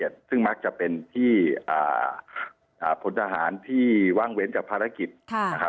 ซึ่งมักจะเป็นที่พลทหารที่ว่างเว้นจากภารกิจ